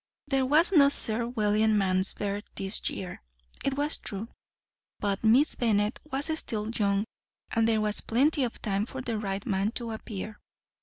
There was no Sir William Manvers this year, it was true; but Miss Bennet was still young, and there was plenty of time for the right man to appear.